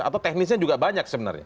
atau teknisnya juga banyak sebenarnya